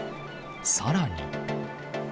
さらに。